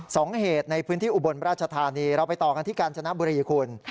สองเหตุในพื้นที่อุบลราชธานีเราไปต่อกันที่กาญจนบุรีคุณ